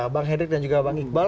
bang herik dan juga bang iqbal